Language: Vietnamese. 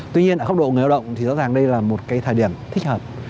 tuy nhiên ở góc độ người lao động thì rõ ràng đây là một cái thời điểm thích hợp